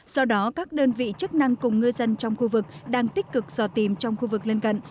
do đó các đơn vị chức năng cùng ngư dân trong khu vực đang tích cực dò tìm trong khu vực lân cận